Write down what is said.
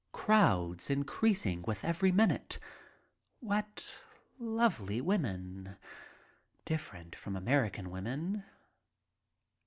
Crowds, increasing with every minute. What lovely women, different from American women.